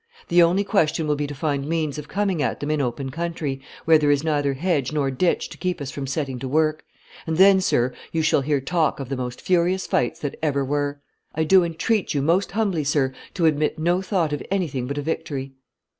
The only question will be to find means of coming at them in open country, where there is neither hedge nor ditch to keep us from setting to work; and then, sir, you shall hear talk of the most furious fights that ever were. I do entreat you most humbly, sir, to admit no thought of anything but a victory.